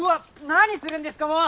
何するんですかもう！